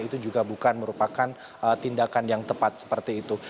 itu juga bukan merupakan tindakan yang tepat seperti itu